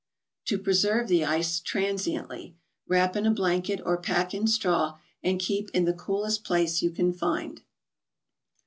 To Preserve the Ice, transiently : Wrap in a blanket, or pack in straw, and keep in the coolest place you can find.